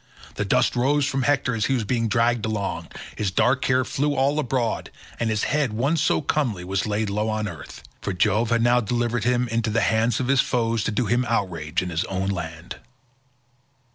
The dust rose from Hector as he was being dragged along, his dark hair flew all abroad, and his head once so comely was laid low on earth, for Jove had now delivered him into the hands of his foes to do him outrage in his own land.